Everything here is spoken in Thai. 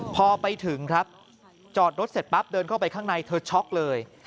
พอไปถึงครับจอดรถเสร็จปั๊บเดินเข้าไปข้างในเธอช็อกเลย